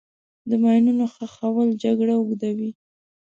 د ماینونو ښخول جګړه اوږدوي.